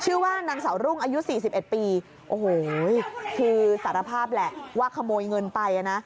ชื่อว่านางเสารุ่งอายุ๔๑ปีโอ้โหคือสารภาพแหละว่าขโมยเงินไปนะ